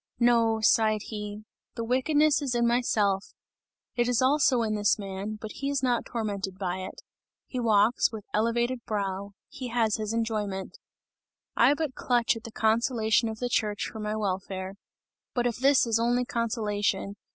No," sighed he, "the wickedness is in myself; it is also in this man, but he is not tormented by it; he walks with elevated brow, he has his enjoyment; I but clutch at the consolation of the church for my welfare! But if this is only consolation!